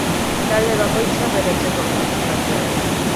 Talde bakoitzak bere etxeko bi partidak irabazi ditu orain arte.